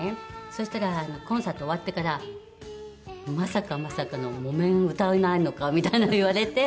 そしたらコンサート終わってから「まさかまさかの『木綿』歌わないのか」みたいなのを言われて。